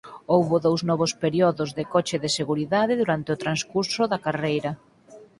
Houbo dous novos períodos de coche de seguridade durante o transcurso da carreira.